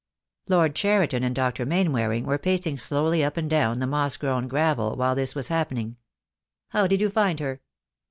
Lord Cheriton and Dr. Mainwaring were pacing slowly up and down the moss grown gravel while this was happening. "How did you find her?"